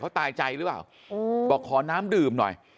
เขาตายใจหรือเปล่าบอกขอน้ำดื่มหน่อย